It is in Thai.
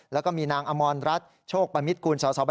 แล้วก็นี่อีกนะครับ